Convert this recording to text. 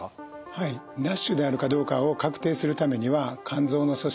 はいＮＡＳＨであるかどうかを確定するためには肝臓の組織